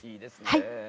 はい！